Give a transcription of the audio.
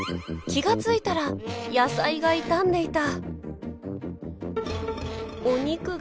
気が付いたら野菜が傷んでいた。